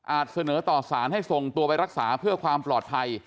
เสนอต่อสารให้ส่งตัวไปรักษาเพื่อความปลอดภัย